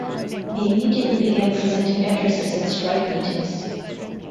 He immediately began presenting addresses at strike meetings.